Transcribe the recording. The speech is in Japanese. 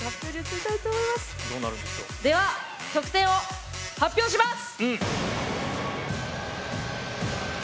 では、得点を発表します！